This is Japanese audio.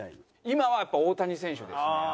今はやっぱ大谷選手ですね。